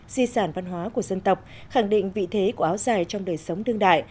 di sản văn hóa của dân tộc khẳng định vị thế của áo dài trong đời sống đương đại